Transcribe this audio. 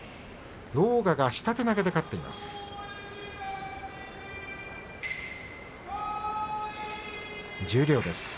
狼雅が下手投げで勝っています。